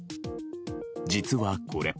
実は、これ。